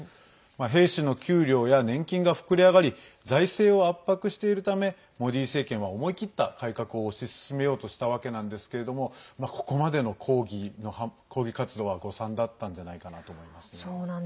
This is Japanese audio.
兵士の給料や年金が膨れ上がり財政を圧迫しているためモディ政権は思い切った改革を推し進めようとしたわけなんですけれどもここまでの抗議活動は誤算だったんじゃないかなと思います。